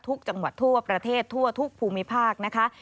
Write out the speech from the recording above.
ทุกจังหวัดทั่วประเทศทั่วทุกภูมิภาคนะคะ